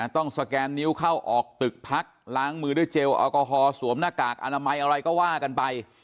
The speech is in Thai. สแกนนิ้วเข้าออกตึกพักล้างมือด้วยเจลแอลกอฮอลสวมหน้ากากอนามัยอะไรก็ว่ากันไป